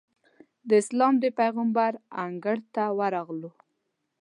د اسلام د پېغمبر انګړ ته ورغلو.